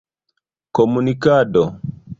komunikado